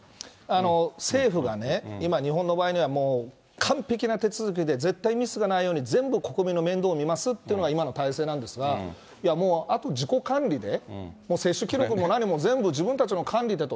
政府がね、今、日本の場合には、完璧な手続きで、絶対ミスがないように、全部国民の面倒を見ますっていうのが今の体制なんですが、いやもう、あと自己管理で、接種記録も何も自分たちの管理でと。